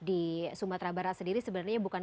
di sumatera barat sendiri sebenarnya bukan